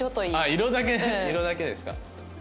あっ色だけ色だけですか？